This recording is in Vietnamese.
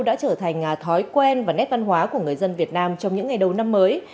đã trở thành thói quen và nét văn hóa của người dân việt nam trong những ngày đầu năm mới